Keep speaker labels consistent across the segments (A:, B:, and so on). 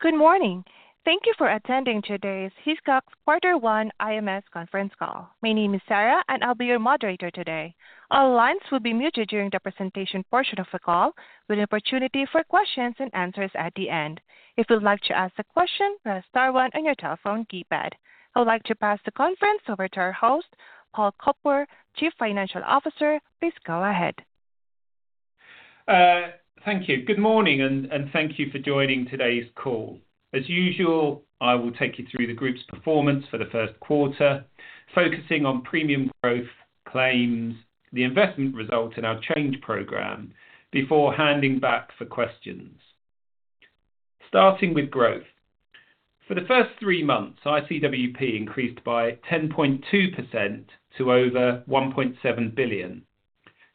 A: Good morning. Thank you for attending today's Hiscox quarter one IMS conference call. My name is Sarah, and I'll be your moderator today. All lines will be muted during the presentation portion of the call with opportunity for questions and answers at the end. If you'd like to ask a question, press star one on your telephone keypad. I would like to pass the conference over to our host, Paul Cooper, Chief Financial Officer. Please go ahead.
B: Thank you. Good morning and thank you for joining today's call. As usual, I will take you through the group's performance for the first quarter, focusing on premium growth, claims, the investment result in our change program before handing back for questions. Starting with growth. For the first three months, ICWP increased by 10.2% to over $1.7 billion.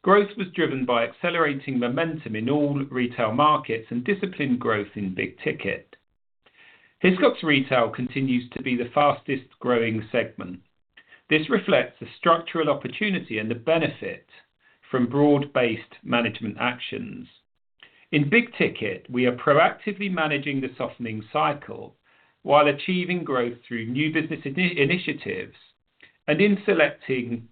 B: Growth was driven by accelerating momentum in all retail markets and disciplined growth in big ticket. Hiscox Retail continues to be the fastest-growing segment. This reflects a structural opportunity and the benefit from broad-based management actions. In big ticket, we are proactively managing the softening cycle while achieving growth through new business initiatives and in selecting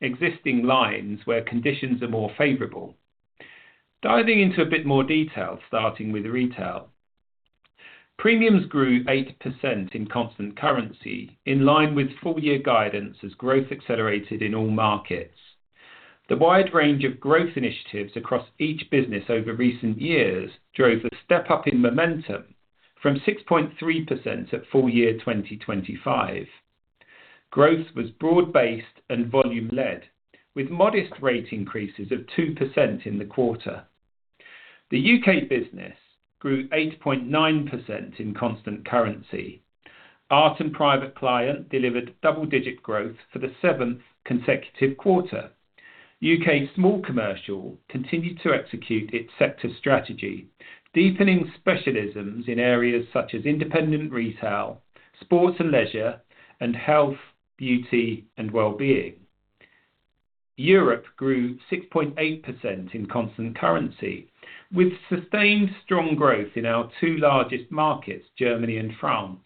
B: existing lines where conditions are more favorable. Diving into a bit more detail, starting with retail. Premiums grew 8% in constant currency, in line with full year guidance as growth accelerated in all markets. The wide range of growth initiatives across each business over recent years drove a step up in momentum from 6.3% at full year 2025. Growth was broad-based and volume-led, with modest rate increases of 2% in the quarter. The U.K. business grew 8.9% in constant currency. Art and private client delivered double-digit growth for the seventh consecutive quarter. U.K. small commercial continued to execute its sector strategy, deepening specialisms in areas such as independent retail, sport and leisure, and health, beauty, and wellbeing. Europe grew 6.8% in constant currency with sustained strong growth in our two largest markets, Germany and France.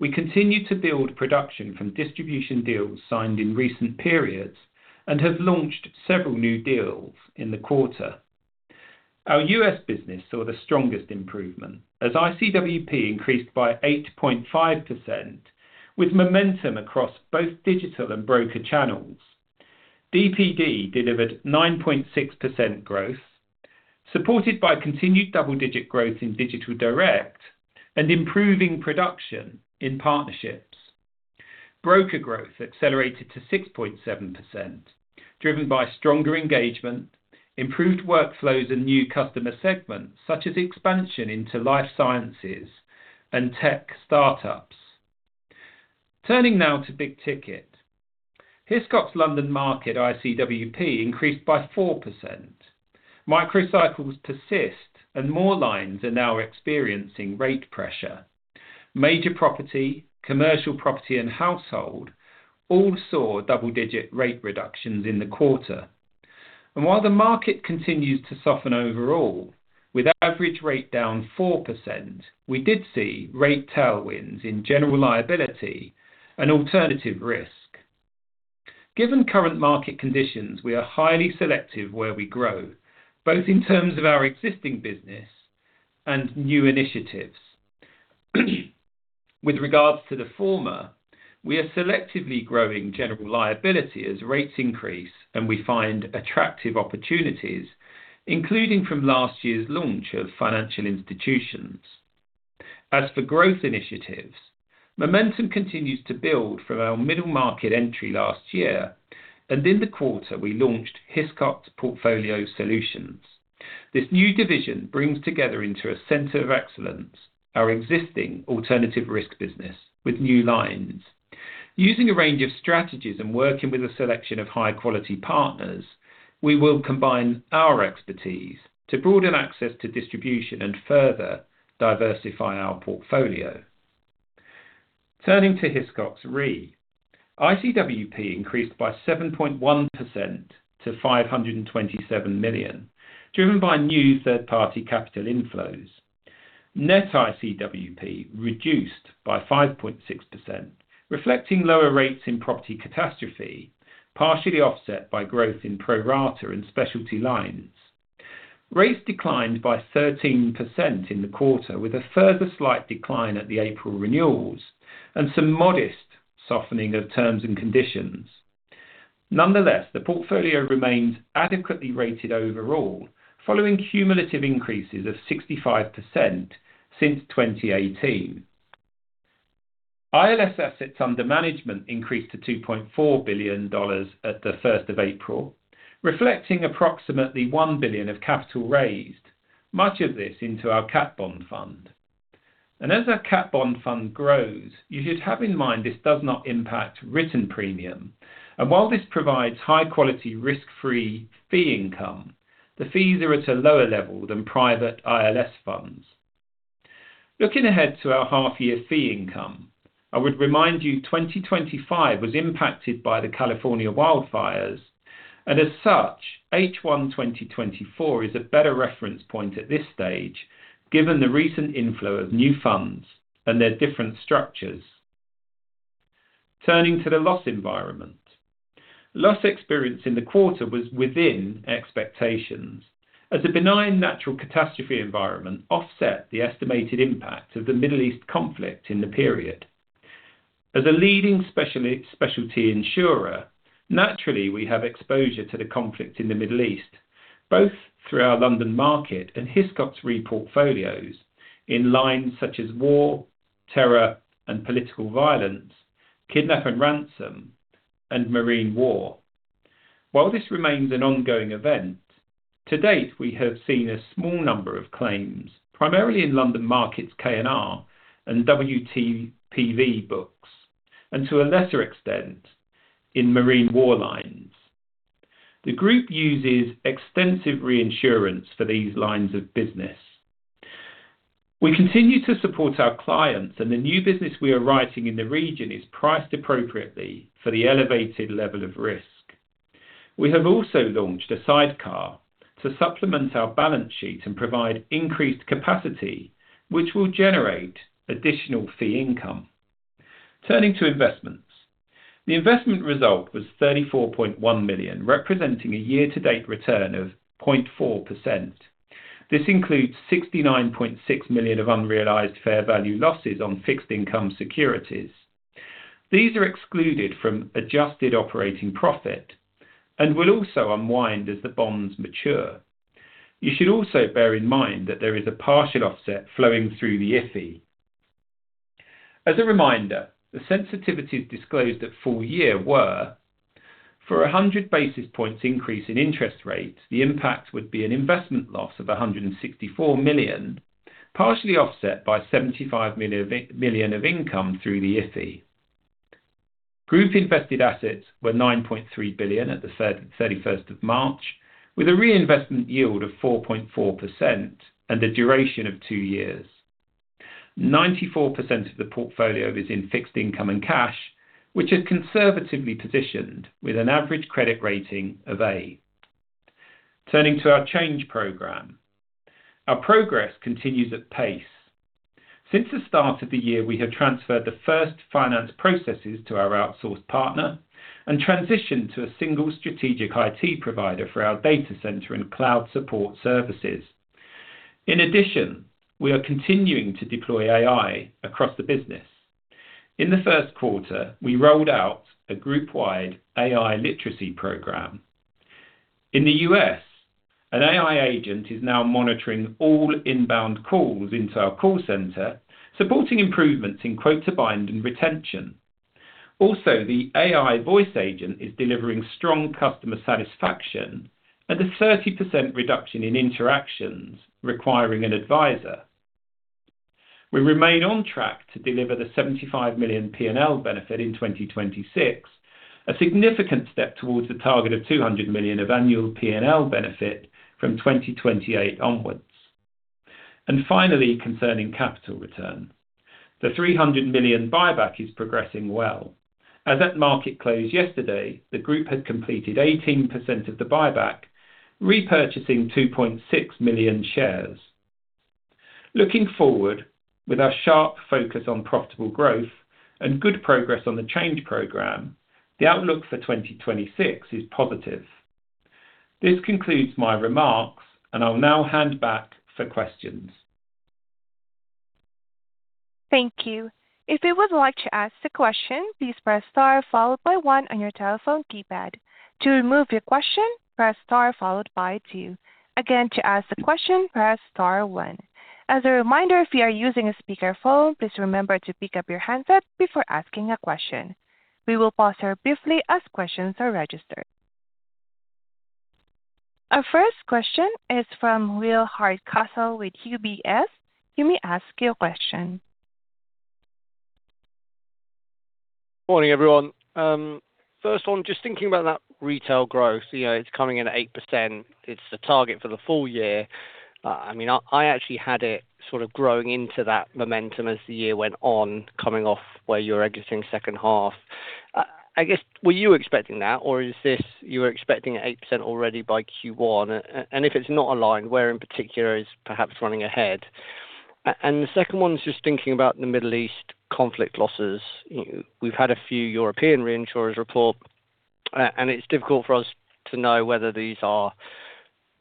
B: We continue to build production from distribution deals signed in recent periods and have launched several new deals in the quarter. Our U.S. business saw the strongest improvement as ICWP increased by 8.5% with momentum across both digital and broker channels. DPD delivered 9.6% growth, supported by continued double-digit growth in digital direct and improving production in partnerships. Broker growth accelerated to 6.7%, driven by stronger engagement, improved workflows and new customer segments such as expansion into life sciences and tech startups. Turning now to big ticket. Hiscox London Market ICWP increased by 4%. Microcycles persist and more lines are now experiencing rate pressure. Major property, commercial property and household all saw double-digit rate reductions in the quarter. While the market continues to soften overall with average rate down 4%, we did see rate tailwinds in general liability and alternative risk. Given current market conditions, we are highly selective where we grow, both in terms of our existing business and new initiatives. With regards to the former, we are selectively growing general liability as rates increase, and we find attractive opportunities, including from last year's launch of financial institutions. As for growth initiatives, momentum continues to build from our middle market entry last year, and in the quarter, we launched Hiscox Portfolio Solutions. This new division brings together into a center of excellence our existing alternative risk business with new lines. Using a range of strategies and working with a selection of high-quality partners, we will combine our expertise to broaden access to distribution and further diversify our portfolio. Turning to Hiscox Re, ICWP increased by 7.1% to $527 million, driven by new third-party capital inflows. Net ICWP reduced by 5.6%, reflecting lower rates in property catastrophe, partially offset by growth in pro rata and specialty lines. Rates declined by 13% in the quarter, with a further slight decline at the April renewals and some modest softening of terms and conditions. Nonetheless, the portfolio remains adequately rated overall following cumulative increases of 65% since 2018. ILS assets under management increased to $2.4 billion at the April 1st, reflecting approximately $1 billion of capital raised, much of this into our cat bond fund. As our cat bond fund grows, you should have in mind this does not impact written premium. While this provides high-quality, risk-free fee income, the fees are at a lower level than private ILS funds. Looking ahead to our half year fee income, I would remind you 2025 was impacted by the California wildfires. As such, H1 2024 is a better reference point at this stage given the recent inflow of new funds and their different structures. Turning to the loss environment. Loss experience in the quarter was within expectations as a benign natural catastrophe environment offset the estimated impact of the Middle East conflict in the period. As a leading specialty insurer, naturally, we have exposure to the conflict in the Middle East, both through our London market and Hiscox Re portfolios in lines such as war, terror and political violence, kidnap and ransom, and marine war. While this remains an ongoing event, to date, we have seen a small number of claims, primarily in London markets K&R and WTPV books, and to a lesser extent in marine war lines. The group uses extensive reinsurance for these lines of business. We continue to support our clients, and the new business we are writing in the region is priced appropriately for the elevated level of risk. We have also launched a sidecar to supplement our balance sheet and provide increased capacity, which will generate additional fee income. Turning to investments. The investment result was $34.1 million, representing a year-to-date return of 0.4%. This includes $69.6 million of unrealized fair value losses on fixed income securities. These are excluded from adjusted operating profit and will also unwind as the bonds mature. You should also bear in mind that there is a partial offset flowing through the IFI. As a reminder, the sensitivities disclosed at full year were for a 100 basis points increase in interest rates, the impact would be an investment loss of $164 million, partially offset by $75 million of income through the IFI. Group invested assets were $9.3 billion at the March 31st, with a reinvestment yield of 4.4% and a duration of two years. 94% of the portfolio is in fixed income and cash, which is conservatively positioned with an average credit rating of A. Turning to our change program. Our progress continues at pace. Since the start of the year, we have transferred the first finance processes to our outsourced partner and transitioned to a single strategic IT provider for our data center and cloud support services. We are continuing to deploy AI across the business. In the first quarter, we rolled out a group-wide AI literacy program. In the U.S., an AI agent is now monitoring all inbound calls into our call center, supporting improvements in quota bind and retention. The AI voice agent is delivering strong customer satisfaction at a 30% reduction in interactions requiring an advisor. We remain on track to deliver the $75 million P&L benefit in 2026, a significant step towards the target of $200 million of annual P&L benefit from 2028 onwards. Finally, concerning capital return. The $300 million buyback is progressing well. As at market close yesterday, the group had completed 18% of the buyback, repurchasing 2.6 million shares. Looking forward, with our sharp focus on profitable growth and good progress on the change program, the outlook for 2026 is positive. This concludes my remarks, and I'll now hand back for questions.
A: Thank you. If you would like to ask a question, please press star followed by one on your telephone keypad. To remove your question, please press star followed by two. Again, to ask a question, press star one. As a reminder, if you are using a speakerphone, please remember to pick up your handset before asking a question. We will pause her briefly as questions are registered. Our first question is from Will Hardcastle with UBS. You may ask your question.
C: Morning, everyone. First one, just thinking about that Retail growth. You know, it's coming in at 8%. It's the target for the full year. I mean, I actually had it sort of growing into that momentum as the year went on, coming off where you're exiting second half. I guess, were you expecting that or is this you were expecting at 8% already by Q1? If it's not aligned, where in particular is perhaps running ahead? The second one is just thinking about the Middle East conflict losses. You know, we've had a few European reinsurers report, it's difficult for us to know whether these are,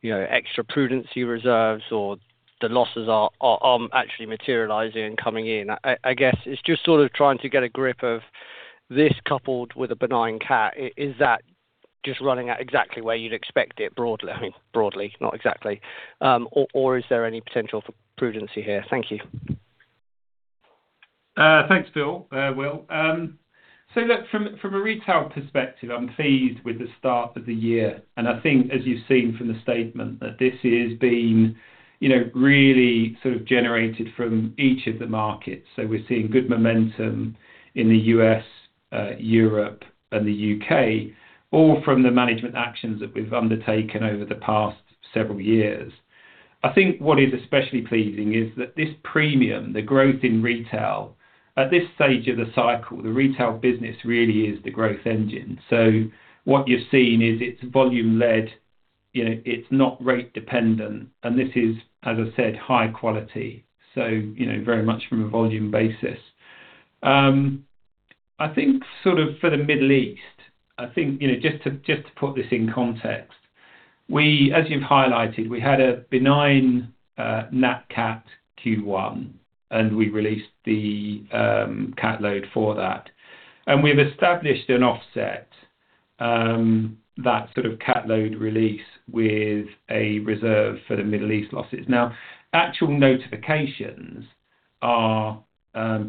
C: you know, extra prudency reserves or the losses are actually materializing and coming in. I guess it's just sort of trying to get a grip of this coupled with a benign cat. Is that just running at exactly where you'd expect it broadly? I mean, broadly, not exactly. Is there any potential for prudency here? Thank you.
B: Thanks, Will. Look, from a retail perspective, I'm pleased with the start of the year. I think as you've seen from the statement that this has been, you know, really sort of generated from each of the markets. We're seeing good momentum in the U.S., Europe and the U.K., all from the management actions that we've undertaken over the past several years. I think what is especially pleasing is that this premium, the growth in retail. At this stage of the cycle, the retail business really is the growth engine. What you're seeing is it's volume-led, you know, it's not rate dependent. This is, as I said, high quality, you know, very much from a volume basis. I think sort of for the Middle East, I think, you know, just to put this in context, we as you've highlighted, we had a benign, nat cat Q1, and we released the cat load for that. We've established an offset, that sort of cat load release with a reserve for the Middle East losses. Actual notifications are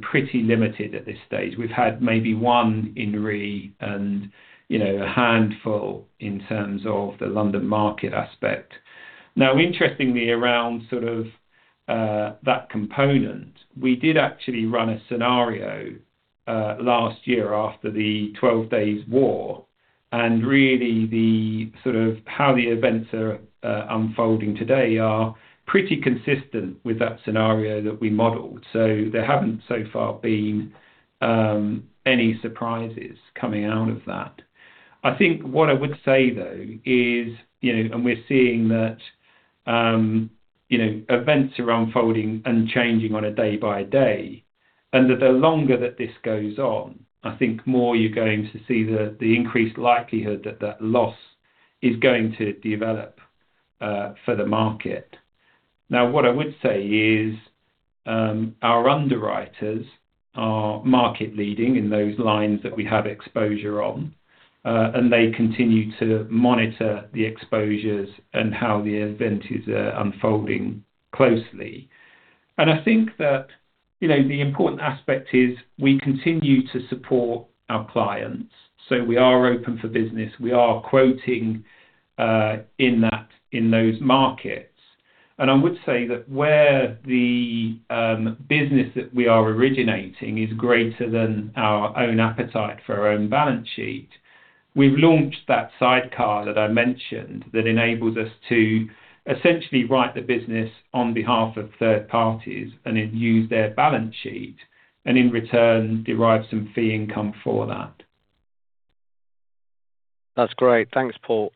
B: pretty limited at this stage. We've had maybe one in Re and, you know, a handful in terms of the London Market aspect. Interestingly, around sort of that component, we did actually run a scenario last year after the 12-days war. Really the sort of how the events are unfolding today are pretty consistent with that scenario that we modeled. There haven't so far been any surprises coming out of that. I think what I would say though is, you know, we're seeing that, you know, events are unfolding and changing on a day by day, and that the longer that this goes on, I think the more you're going to see the increased likelihood that that loss is going to develop for the market. Now, what I would say is, our underwriters are market leading in those lines that we have exposure on. They continue to monitor the exposures and how the event is unfolding closely. I think that, you know, the important aspect is we continue to support our clients. We are open for business. We are quoting in those markets. I would say that where the business that we are originating is greater than our own appetite for our own balance sheet, we've launched that sidecar that I mentioned that enables us to essentially write the business on behalf of third parties and then use their balance sheet, and in return derive some fee income for that.
C: That's great. Thanks, Paul.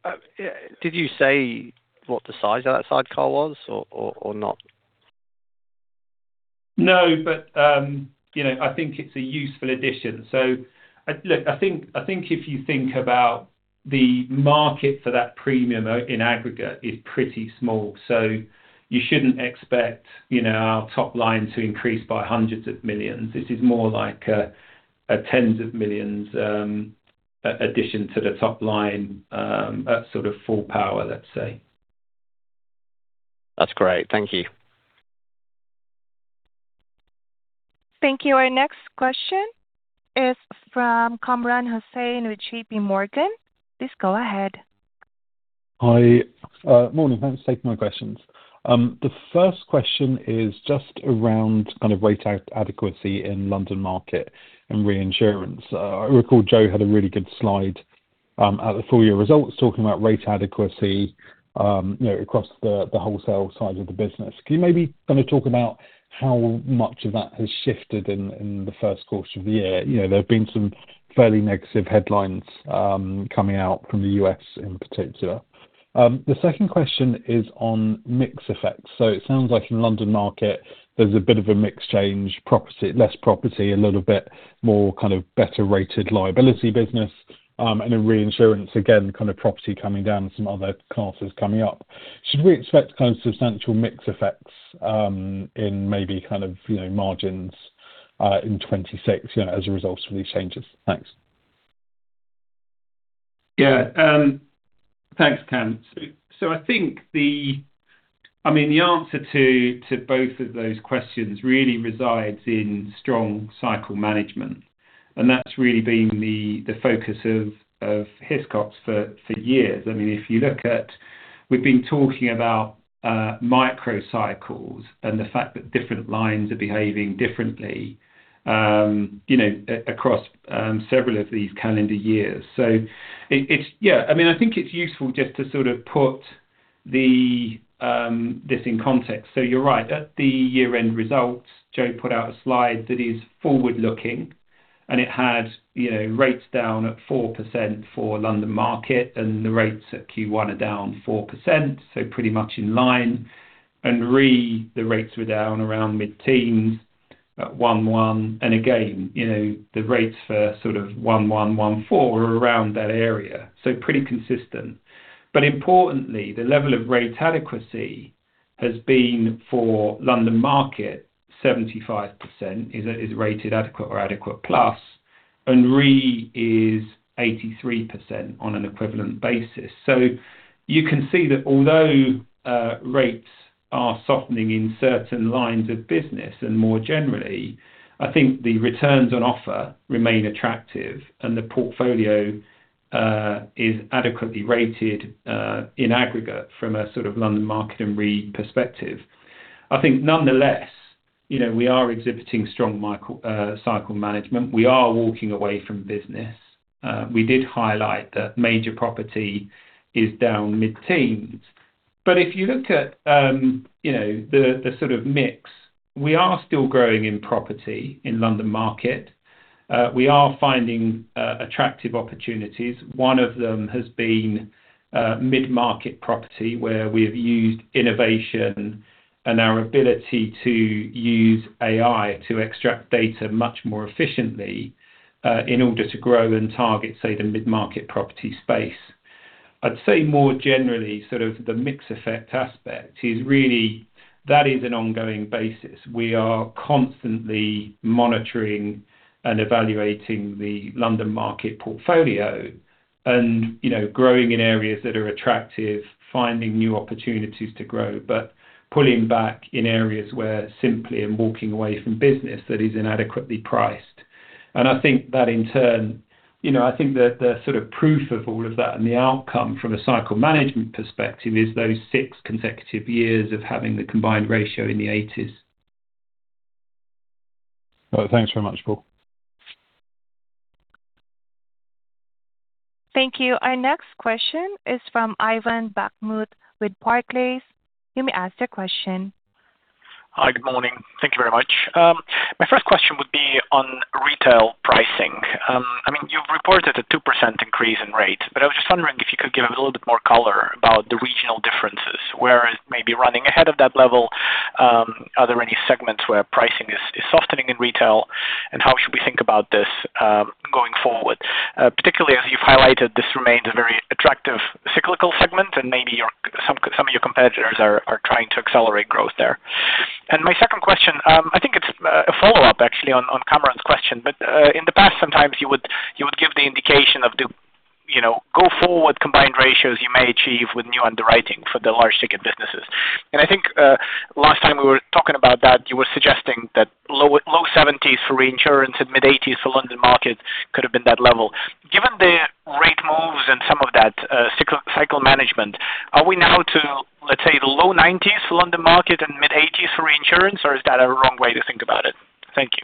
C: Did you say what the size of that sidecar was or not?
B: No, you know, I think it's a useful addition. Look, I think if you think about the market for that premium in aggregate is pretty small. You shouldn't expect, you know, our top line to increase by hundreds of millions. This is more like a tens of millions addition to the top line at sort of full power, let's say.
C: That's great. Thank you.
A: Thank you. Our next question is from Kamran Hossain with JPMorgan. Please go ahead.
D: Hi. Morning. Thanks for taking my questions. The first question is just around kind of rate adequacy in London Market and reinsurance. I recall Joe had a really good slide at the full year results talking about rate adequacy, you know, across the wholesale side of the business. Can you maybe kind of talk about how much of that has shifted in the first course of the year? You know, there have been some fairly negative headlines coming out from the U.S. in particular. The second question is on mix effects. It sounds like in London Market there's a bit of a mix change, property less property, a little bit more kind of better rated liability business. In reinsurance, again, kind of property coming down and some other classes coming up. Should we expect kind of substantial mix effects, in maybe kind of, you know, margins, in 2026, you know, as a result of these changes? Thanks.
B: Thanks, Kam. I mean, the answer to both of those questions really resides in strong cycle management, and that's really been the focus of Hiscox for years. I mean, if you look at, we've been talking about micro cycles and the fact that different lines are behaving differently, you know, across several of these calendar years. I mean, I think it's useful just to sort of put this in context. You're right. At the year-end results, Joe put out a slide that is forward-looking. It had, you know, rates down at 4% for London Market. The rates at Q1 are down 4%, pretty much in line. The rates were down around mid-teens at 1/1. Again, you know, the rates for sort of 1/1/4 were around that area, so pretty consistent. Importantly, the level of rate adequacy has been, for London Market, 75% is rated adequate or adequate plus, and Re is 83% on an equivalent basis. You can see that although rates are softening in certain lines of business and more generally, I think the returns on offer remain attractive and the portfolio is adequately rated in aggregate from a sort of London Market and Re perspective. I think nonetheless, you know, we are exhibiting strong cycle management. We are walking away from business. We did highlight that major property is down mid-teens. If you look at, you know, the sort of mix, we are still growing in property in London Market. We are finding attractive opportunities. One of them has been mid-market property, where we have used innovation and our ability to use AI to extract data much more efficiently in order to grow and target, say, the mid-market property space. I'd say more generally, sort of the mix effect aspect is really that is an ongoing basis. We are constantly monitoring and evaluating the London Market portfolio and, you know, growing in areas that are attractive, finding new opportunities to grow, but pulling back in areas where simply and walking away from business that is inadequately priced. I think that in turn, you know, I think the sort of proof of all of that and the outcome from a cycle management perspective is those six consecutive years of having the combined ratio in the 80s.
D: Well, thanks very much, Paul.
A: Thank you. Our next question is from Ivan Bokhmat with Barclays. You may ask your question.
E: Hi. Good morning. Thank you very much. My first question would be on retail pricing. I mean, you've reported a 2% increase in rates. I was just wondering if you could give a little bit more color about the regional differences, where it may be running ahead of that level. Are there any segments where pricing is softening in retail? How should we think about this going forward? Particularly as you've highlighted, this remains a very attractive cyclical segment. Maybe your competitors are trying to accelerate growth there. My second question, I think it's a follow-up actually on Kamran's question. In the past, sometimes you would give the indication of the, you know, go forward combined ratios you may achieve with new underwriting for the large ticket businesses. I think, last time we were talking about that, you were suggesting that low 70s for reinsurance and mid-80s for London Market could have been that level. Given the rate moves and some of that, cycle management, are we now to, let's say, the low 90s for London Market and mid-80s for reinsurance, or is that a wrong way to think about it? Thank you.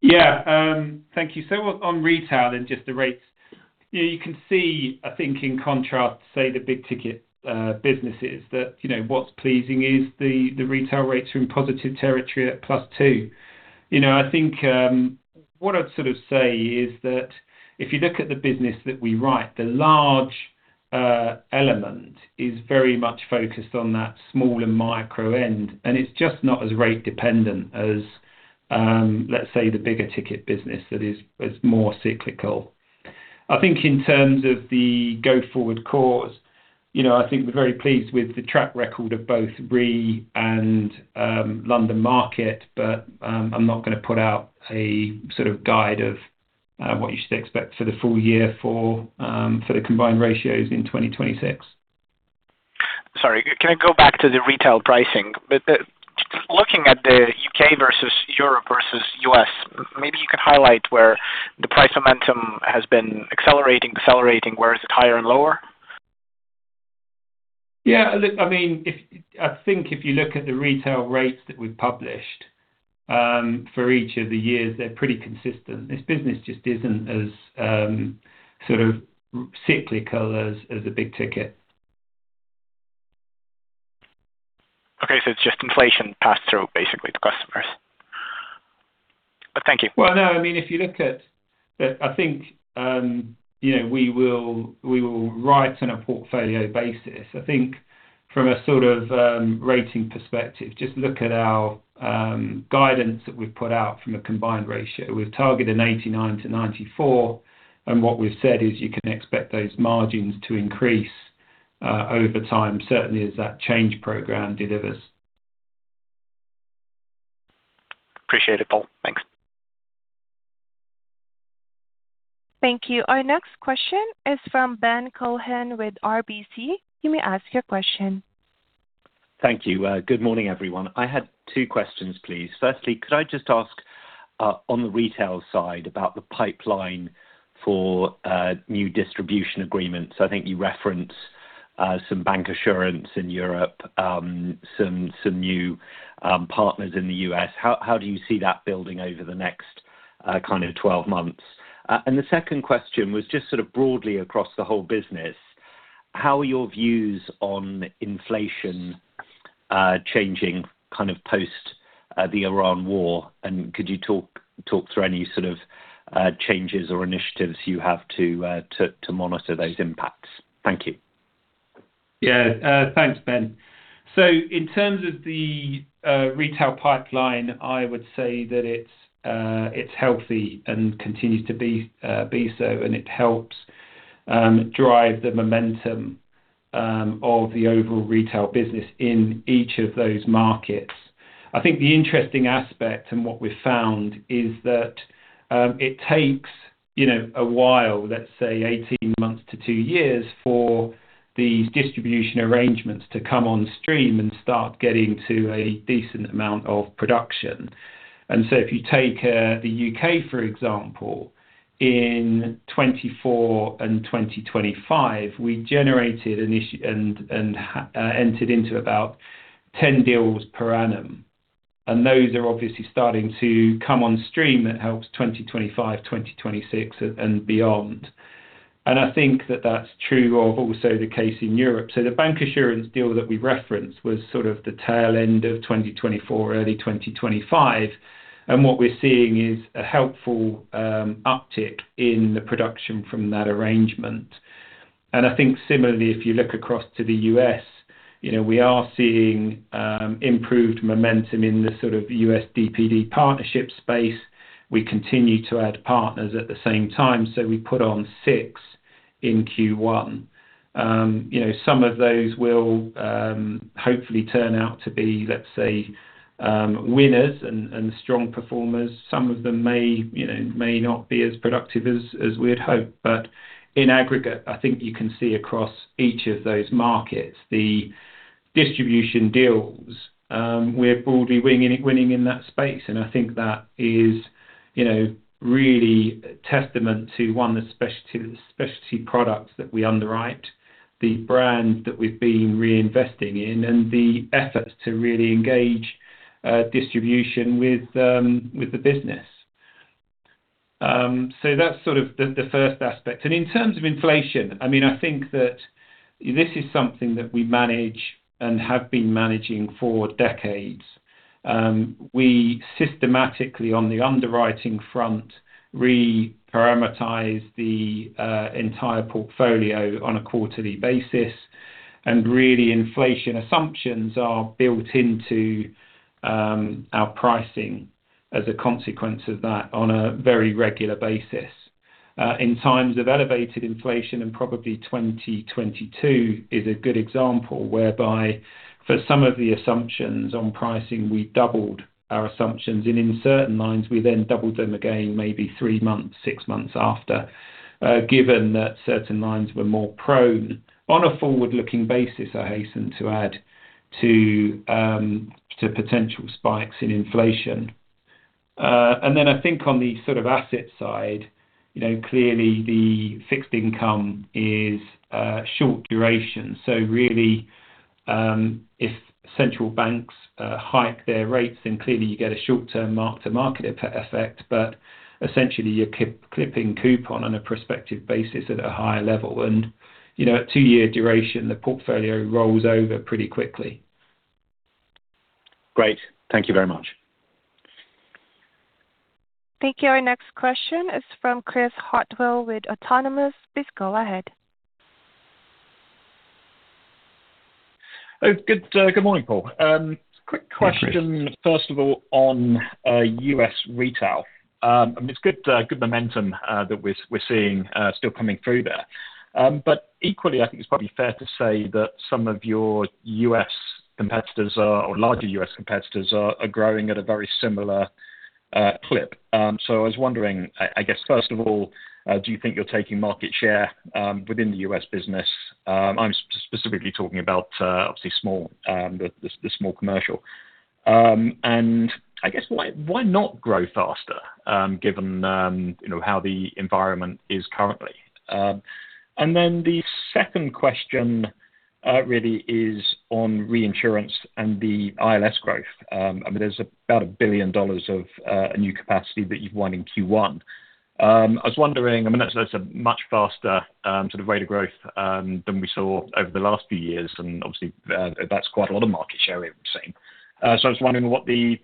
B: Yeah. Thank you. On retail and just the rates, you know, you can see, I think, in contrast to, say, the big ticket businesses that, you know, what's pleasing is the retail rates are in positive territory at +2%. You know, I think, what I'd sort of say is that if you look at the business that we write, the large element is very much focused on that small and micro end, and it's just not as rate dependent as, let's say, the bigger ticket business that is more cyclical. I think in terms of the go forward course, you know, I think we're very pleased with the track record of both Re and London Market. I'm not gonna put out a sort of guide of what you should expect for the full year for the combined ratios in 2026.
E: Sorry. Can I go back to the retail pricing? Looking at the U.K. versus Europe versus U.S., maybe you could highlight where the price momentum has been accelerating, decelerating. Where is it higher and lower?
B: Yeah, look, I mean, if you look at the retail rates that we've published, for each of the years, they're pretty consistent. This business just isn't as, sort of cyclical as the big ticket.
E: Okay. It's just inflation passed through basically to customers. Thank you.
B: Well, no, I mean, if you look at the I think, you know, we will write on a portfolio basis. I think from a sort of rating perspective, just look at our guidance that we've put out from a combined ratio. We've targeted 89%-94%, what we've said is you can expect those margins to increase over time, certainly as that change program delivers.
E: Appreciate it, Paul. Thanks.
A: Thank you. Our next question is from Ben Cohen with RBC. You may ask your question.
F: Thank you. Good morning, everyone. I had two questions, please. Firstly, could I just ask on the retail side about the pipeline for new distribution agreements? I think you referenced some bank assurance in Europe, some new partners in the U.S. How do you see that building over the next, kind of 12 months? The second question was just sort of broadly across the whole business. How are your views on inflation changing kind of post the Iran war? Could you talk through any sort of changes or initiatives you have to monitor those impacts? Thank you.
B: Thanks, Ben. In terms of the retail pipeline, I would say that it's healthy and continues to be so, and it helps drive the momentum of the overall retail business in each of those markets. I think the interesting aspect and what we've found is that it takes, you know, a while, let's say 18 months to two years, for these distribution arrangements to come on stream and start getting to a decent amount of production. If you take the U.K., for example, in 2024 and 2025, we generated an issue and entered into about 10 deals per annum. Those are obviously starting to come on stream. That helps 2025, 2026 and beyond. I think that that's true of also the case in Europe. The bancassurance deal that we referenced was sort of the tail end of 2024, early 2025. What we're seeing is a helpful uptick in the production from that arrangement. I think similarly, if you look across to the U.S., you know, we are seeing improved momentum in the sort of U.S. DPD partnership space. We continue to add partners at the same time. We put on six in Q1. You know, some of those will hopefully turn out to be, let's say, winners and strong performers. Some of them may, you know, may not be as productive as we had hoped. In aggregate, I think you can see across each of those markets, the distribution deals, we're broadly winning in that space. I think that is, you know, really a testament to, one, the specialty products that we underwrite, the brands that we've been reinvesting in, and the efforts to really engage distribution with the business. That's sort of the first aspect. In terms of inflation, I mean, I think that this is something that we manage and have been managing for decades. We systematically, on the underwriting front, reparametrize the entire portfolio on a quarterly basis. Really, inflation assumptions are built into our pricing as a consequence of that on a very regular basis. In times of elevated inflation, and probably 2022 is a good example, whereby for some of the assumptions on pricing, we doubled our assumptions. In certain lines, we then doubled them again maybe three months, six months after, given that certain lines were more prone on a forward-looking basis, I hasten to add, to potential spikes in inflation. I think on the sort of asset side, you know, clearly the fixed income is short duration. If central banks hike their rates, then clearly you get a short-term mark-to-market effect. Essentially, you're clipping coupon on a prospective basis at a higher level. You know, at two-year duration, the portfolio rolls over pretty quickly.
F: Great. Thank you very much.
A: Thank you. Our next question is from Chris Hartwell with Autonomous. Please go ahead.
G: Good morning, Paul. Quick question?
B: Thank you.
G: First of all on U.S. Retail. I mean, it's good momentum that we're seeing still coming through there. Equally, I think it's probably fair to say that some of your U.S. competitors are or larger U.S. competitors are growing at a very similar clip. I was wondering, I guess, first of all, do you think you're taking market share within the U.S. business? I'm specifically talking about obviously small, the small commercial. I guess why not grow faster, given, you know, how the environment is currently? Then the second question really is on Reinsurance and the ILS growth. I mean, there's about $1 billion of new capacity that you've won in Q1. I was wondering, I mean, that's a much faster, sort of rate of growth, than we saw over the last few years, and obviously, that's quite a lot of market share we've been seeing. I was wondering what the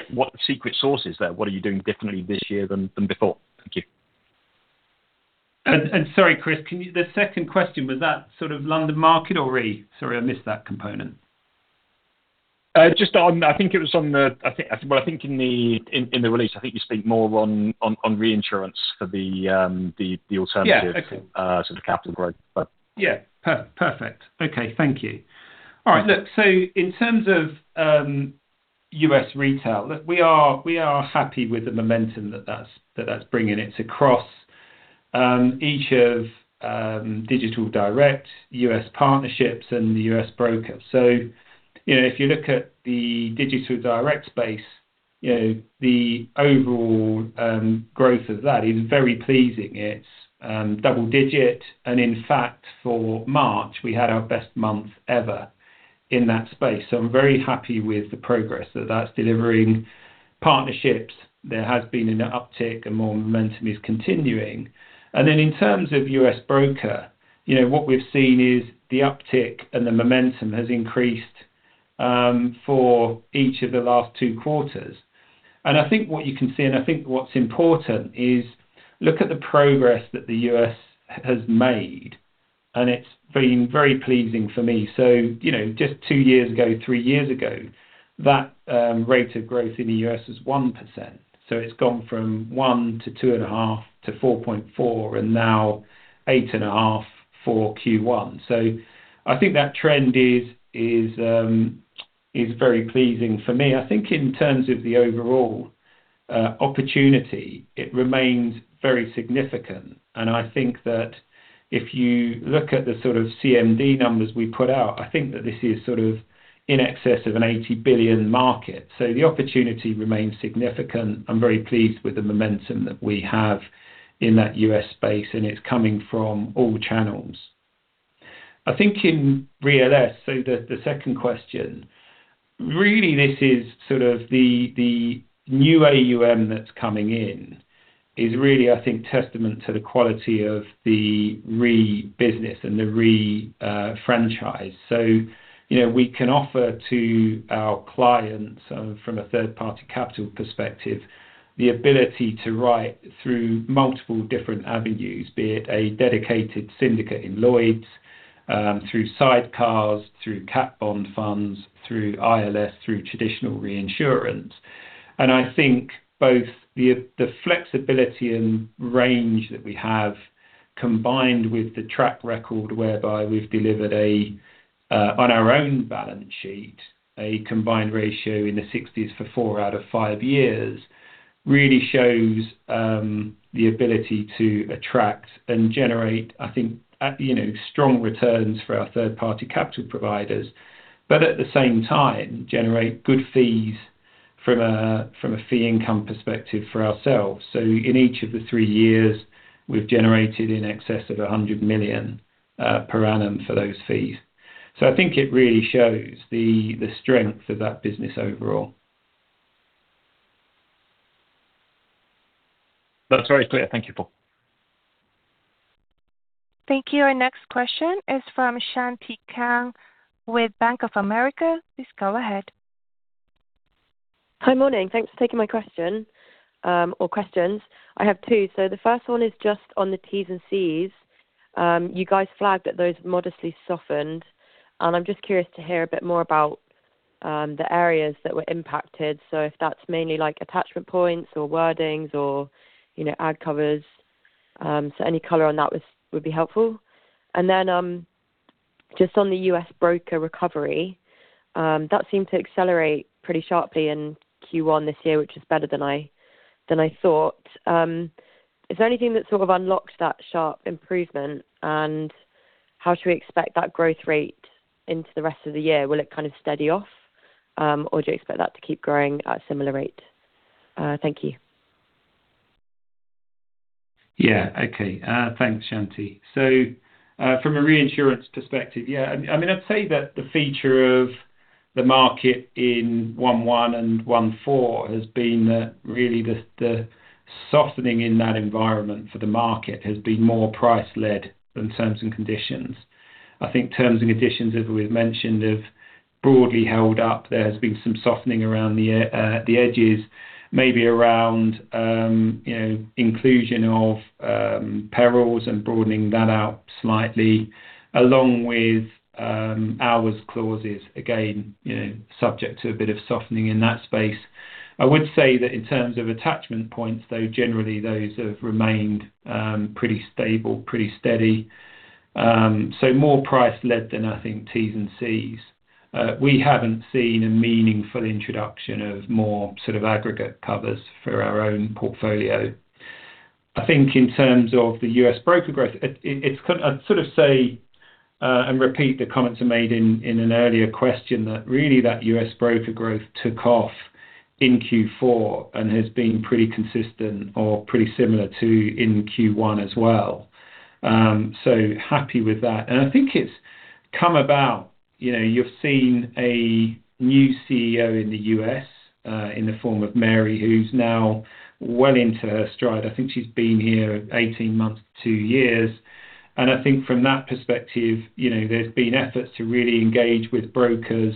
G: secret sauce is there. What are you doing differently this year than before? Thank you.
B: Sorry, Chris, can you The second question was that sort of London Market or Re? Sorry, I missed that component.
G: Just on I think in the release, I think you speak more on reinsurance for the alternative-
B: Yeah. Okay.
G: sort of capital growth, but.
B: Perfect. Okay. Thank you. All right. Look, in terms of U.S. Retail, look, we are happy with the momentum that's bringing. It's across each of digital direct U.S. partnerships and the U.S. brokers. You know, if you look at the digital direct space, you know, the overall growth of that is very pleasing. It's double digit. In fact, for March, we had our best month ever in that space. I'm very happy with the progress that's delivering. Partnerships, there has been an uptick and more momentum is continuing. In terms of U.S. broker, you know, what we've seen is the uptick and the momentum has increased for each of the last two quarters. I think what you can see, and I think what's important is look at the progress that the U.S. has made, and it's been very pleasing for me. You know, just two years ago, three years ago, that rate of growth in the U.S. was 1%. It's gone from 1%-2.5%-4.4%, and now 8.5% for Q1. I think that trend is very pleasing for me. I think in terms of the overall opportunity, it remains very significant. I think that if you look at the sort of CMD numbers we put out, I think that this is sort of in excess of an $80 billion market. The opportunity remains significant. I'm very pleased with the momentum that we have in that U.S. space, and it's coming from all channels. I think in Re ILS, so the second question, really this is sort of the new AUM that's coming in is really, I think, testament to the quality of the Re business and the Re franchise. You know, we can offer to our clients from a third-party capital perspective, the ability to write through multiple different avenues, be it a dedicated syndicate in Lloyd's, through sidecars, through cat bond funds, through ILS, through traditional reinsurance. I think both the flexibility and range that we have, combined with the track record whereby we've delivered on our own balance sheet, a combined ratio in the 60s for four out of five years, really shows, you know, the ability to attract and generate strong returns for our third-party capital providers. At the same time, generate good fees from a fee income perspective for ourselves. In each of the three years, we've generated in excess of $100 million per annum for those fees. I think it really shows the strength of that business overall.
G: That's very clear. Thank you, Paul.
A: Thank you. Our next question is from Shanti Kang with Bank of America. Please go ahead.
H: Hi. Morning. Thanks for taking my question, or questions. I have two. The first one is just on the T&Cs. You guys flagged that those modestly softened, I'm just curious to hear a bit more about the areas that were impacted. If that's mainly like attachment points or wordings or, you know, ad covers. Any color on that would be helpful. Just on the U.S. broker recovery, that seemed to accelerate pretty sharply in Q1 this year, which is better than I thought. Is there anything that sort of unlocked that sharp improvement, how should we expect that growth rate into the rest of the year? Will it kind of steady off, do you expect that to keep growing at a similar rate? Thank you.
B: Yeah. Okay. Thanks, Shanti. From a reinsurance perspective, I mean, I'd say that the feature of the market in 1/1 and 1/4 has been that really the softening in that environment for the market has been more price-led than terms and conditions. I think terms and conditions, as we've mentioned, have broadly held up. There has been some softening around the edges, maybe around, you know, inclusion of perils and broadening that out slightly, along with hours clauses. Again, you know, subject to a bit of softening in that space. I would say that in terms of attachment points, though, generally those have remained pretty stable, pretty steady. More price-led than, I think, T's and C's. We haven't seen a meaningful introduction of more sort of aggregate covers for our own portfolio. I think in terms of the U.S. broker growth, it's I'd sort of say, and repeat the comments I made in an earlier question that really that U.S. broker growth took off in Q4 and has been pretty consistent or pretty similar to in Q1 as well. Happy with that. I think it's come about, you know, you've seen a new CEO in the U.S. in the form of Mary, who's now well into her stride. I think she's been here 18 months to two years. I think from that perspective, you know, there's been efforts to really engage with brokers,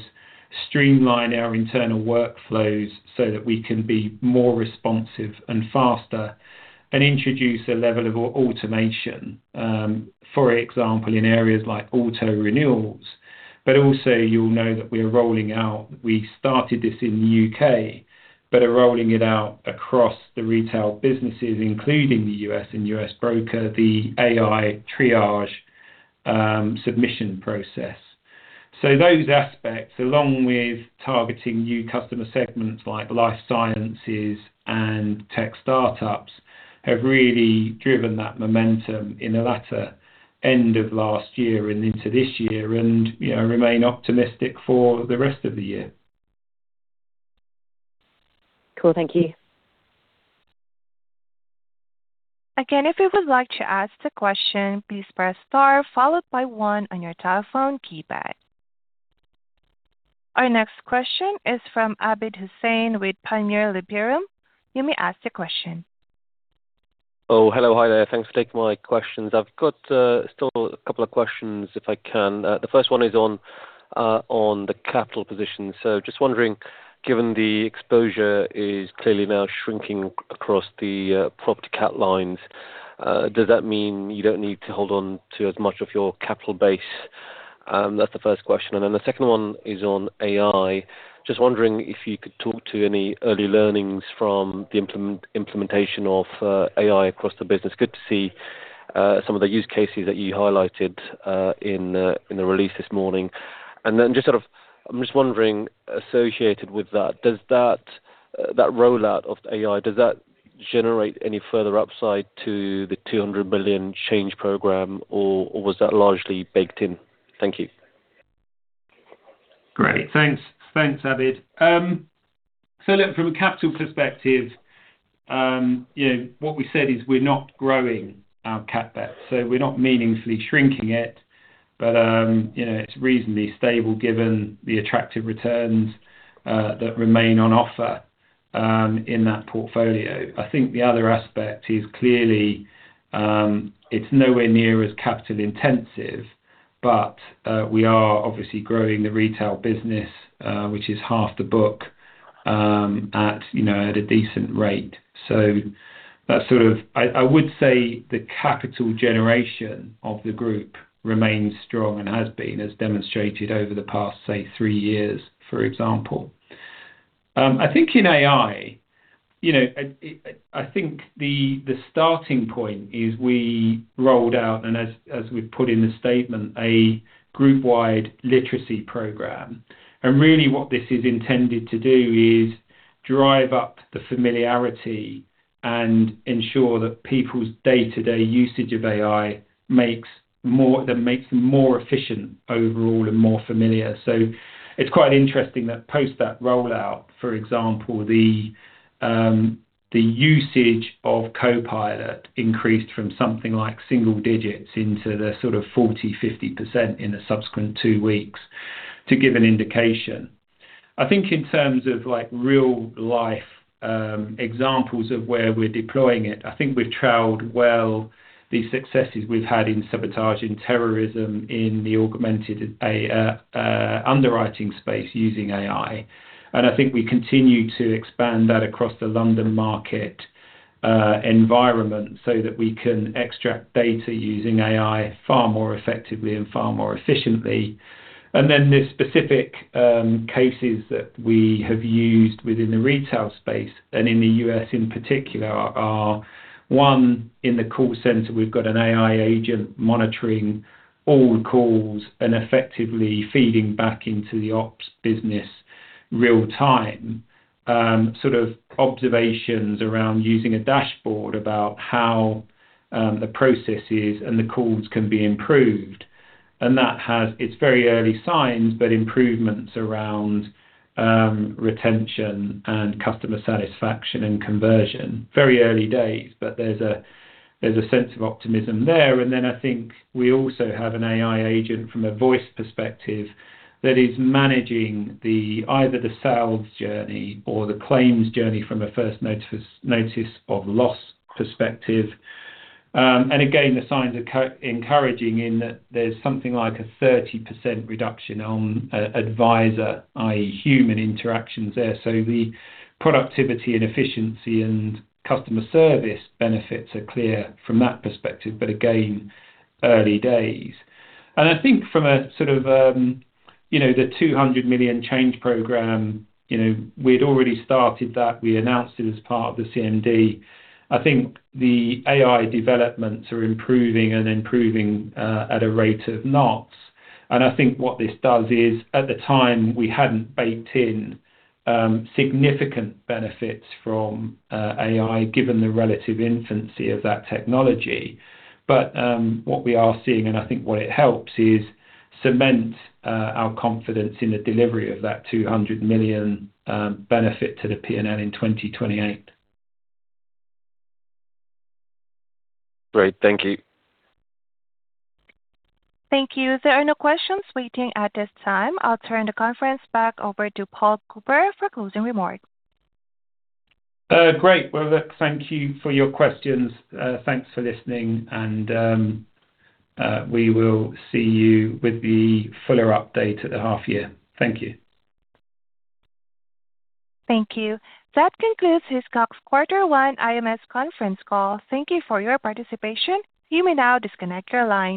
B: streamline our internal workflows so that we can be more responsive and faster and introduce a level of automation, for example, in areas like auto renewals. Also, you'll know that we started this in the U.K., but are rolling it out across the retail businesses, including the U.S. and U.S. broker, the AI triage submission process. Those aspects, along with targeting new customer segments like life sciences and tech startups, have really driven that momentum in the latter end of last year and into this year and, you know, remain optimistic for the rest of the year.
H: Cool. Thank you.
A: Again, if you would like to ask a question, please press star followed by one on your telephone keypad. Our next question is from Abid Hussain with Panmure Liberum. You may ask your question.
I: Hi there. Thanks for taking my questions. I've got still a couple of questions if I can. The first one is on the capital position. Just wondering, given the exposure is clearly now shrinking across the property cat lines, does that mean you don't need to hold on to as much of your capital base? That's the first question. The second one is on AI. Just wondering if you could talk to any early learnings from the implementation of AI across the business. Good to see some of the use cases that you highlighted in the release this morning. Just sort of I'm just wondering, associated with that, does that rollout of AI, does that generate any further upside to the $200 million change program or was that largely baked in? Thank you.
B: Great. Thanks, Abid. From a capital perspective, what we said is we're not growing our CapEx. We're not meaningfully shrinking it, but it's reasonably stable given the attractive returns that remain on offer in that portfolio. I think the other aspect is clearly, it's nowhere near as capital-intensive, but we are obviously growing the retail business, which is half the book, at a decent rate. I would say the capital generation of the group remains strong and has been, as demonstrated over the past, say, three years, for example. I think in AI, I think the starting point is we rolled out, and as we've put in the statement, a group-wide literacy program. Really what this is intended to do is drive up the familiarity and ensure that people's day-to-day usage of AI makes them more efficient overall and more familiar. It's quite interesting that post that rollout, for example, the usage of Copilot increased from something like single digits into the sort of 40%, 50% in the subsequent two weeks, to give an indication. I think in terms of, like, real-life examples of where we're deploying it, I think we've trailed well the successes we've had in sabotage and terrorism in the augmented underwriting space using AI. I think we continue to expand that across the London Market environment so that we can extract data using AI far more effectively and far more efficiently. The specific cases that we have used within the retail space and in the U.S. in particular are, one, in the call center, we've got an AI agent monitoring all calls and effectively feeding back into the ops business real-time, sort of observations around using a dashboard about how the processes and the calls can be improved. It's very early signs, but improvements around retention and customer satisfaction and conversion. Very early days, but there's a, there's a sense of optimism there. I think we also have an AI agent from a voice perspective that is managing the, either the sales journey or the claims journey from a first notice of loss perspective. The signs are encouraging in that there's something like a 30% reduction on a advisor, i.e. human interactions there. The productivity and efficiency and customer service benefits are clear from that perspective, but again, early days. I think from a sort of, you know, the $200 million change program, you know, we'd already started that. We announced it as part of the CMD. I think the AI developments are improving and improving at a rate of knots. I think what this does is, at the time, we hadn't baked in significant benefits from AI, given the relative infancy of that technology. What we are seeing, and I think where it helps, is cement our confidence in the delivery of that $200 million benefit to the P&L in 2028.
I: Great. Thank you.
A: Thank you. There are no questions waiting at this time. I'll turn the conference back over to Paul Cooper for closing remarks.
B: Great. Well, look, thank you for your questions. Thanks for listening, and we will see you with the fuller update at the half year. Thank you.
A: Thank you. That concludes Hiscox quarter one IMS conference call. Thank you for your participation. You may now disconnect your line.